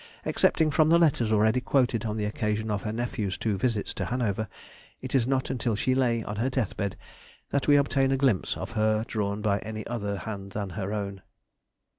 Excepting from the letters already quoted on the occasion of her nephew's two visits to Hanover, it is not until she lay on her death bed that we obtain a glimpse of her drawn by any other hand than her own.